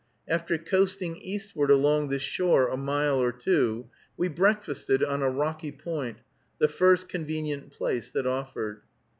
After coasting eastward along this shore a mile or two, we breakfasted on a rocky point, the first convenient place that offered.